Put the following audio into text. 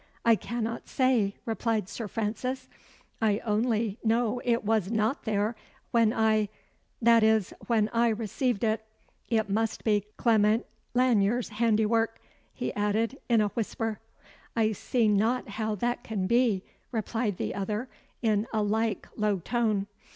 "I cannot say," replied Sir Francis. "I only know it was not there when I that is, when I received it. It must be Clement Lanyere's handiwork," he added in a whisper. "I see not how that can be," replied the other, in a like low tone.